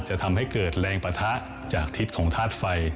จะทำให้เกิดแรงปะทะจากทิศของธาตุไฟ